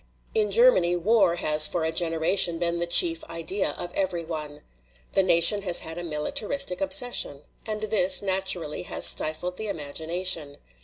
In Germany war has for a generation been the chief idea of every one. The nation has had a militaristic obsession. And this, naturally, has stifled the imagination.